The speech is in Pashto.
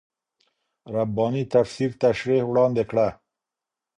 رباني تفسیر تشريح وړاندې کړه.